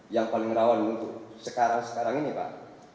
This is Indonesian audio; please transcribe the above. yang paling rawan untuk sekarang sekarang ini pak